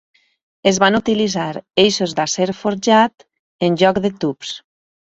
Es van utilitzar eixos d'acer forjat en lloc de tubs.